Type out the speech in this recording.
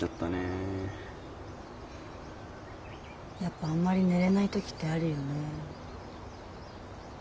やっぱあんまり寝れない時ってあるよね。